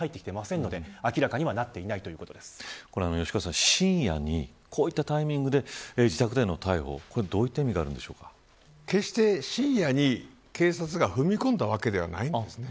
吉川さん、深夜にこういったタイミングで自宅での逮捕、どういった意味が決して深夜に警察が踏み込んだわけではないんですね。